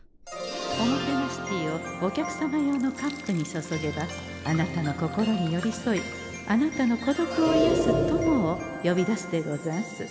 おもてなしティーをお客様用のカップにそそげばあなたの心によりそいあなたの孤独をいやす友をよびだすでござんす。